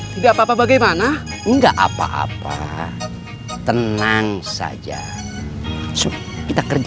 tidak apa apa bagaimana enggak apa apa tenang saja kita kerja